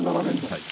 はい。